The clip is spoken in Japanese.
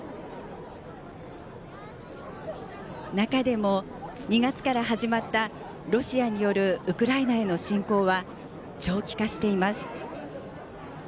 中でも２月から始まったロシアによるウクライナへの侵攻は長期化しています。